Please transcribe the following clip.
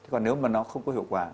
còn nếu mà nó không có hiệu quả